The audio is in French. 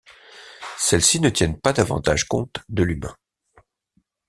Celles-ci ne tiennent pas davantage compte de l'humain.